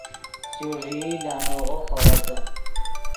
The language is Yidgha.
چوݱیئی لانیغو خورتّے